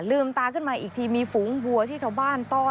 ตาขึ้นมาอีกทีมีฝูงวัวที่ชาวบ้านต้อน